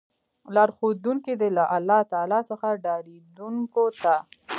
لار ښودونکی دی له الله تعالی څخه ډاريدونکو ته